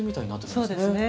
そうですね。